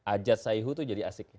ajat sayhu itu jadi asik